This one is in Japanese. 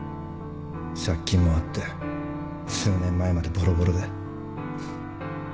借金もあって数年前までぼろぼろで。